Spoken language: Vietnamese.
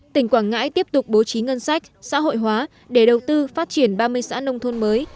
tỉnh quảng ngãi tiếp tục bố trí ngân sách xã hội hóa để đầu tư phát triển ba mươi xã nông thôn mới